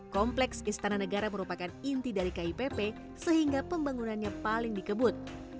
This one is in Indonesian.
kompleks istana negara merupakan inti dari kipp sehingga pembangunannya paling dikebut